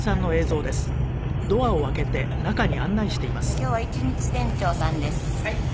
「今日は一日店長さんです」